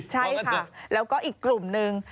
ใช่ค่ะแล้วก็อีกกลุ่มนึง